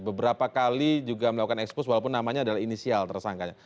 beberapa kali juga melakukan ekspos walaupun namanya adalah inisial tersangkanya